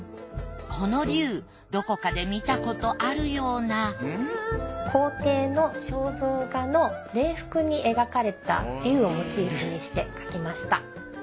この龍どこかで見たことあるような皇帝の肖像画の礼服に描かれた龍をモチーフにして描きました。